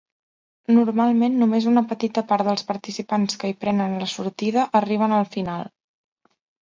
Normalment només una petita part dels participants que hi prenen la sortida arriben al final.